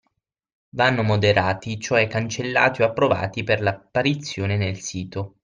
Vanno moderati cioè cancellati o approvati per l’apparizione nel sito.